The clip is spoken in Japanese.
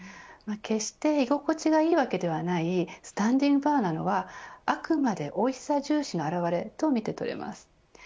決して居心地がいいわけではないスタンディングーバーなのはあくまでおいしさ重視の表れと見て取れます。